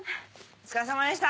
お疲れさまでした。